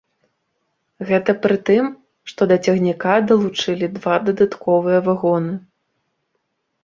Гэта пры тым, што да цягніка далучылі два дадатковыя вагоны.